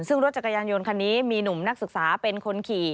ซึ่งรถจักรยานยนต์คันนี้มีหนุ่มนักศึกษาเป็นคนขี่